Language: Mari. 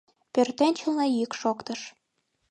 Пӧртӧнчылнӧ йӱк шоктыш.